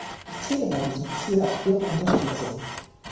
Ich zähle bei diesem Ziel auf Ihre Unterstützung.